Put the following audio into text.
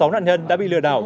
sáu nạn nhân đã bị lừa đảo